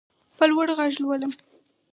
په لوړ غږ لولم.